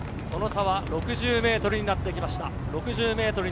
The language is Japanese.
その差は６０ｍになってきました。